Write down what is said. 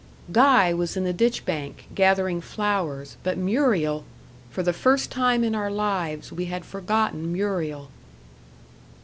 Guy was in the ditch bank, gathering flowers but Muriel For the first time in our lives, we had forgotten Muriel.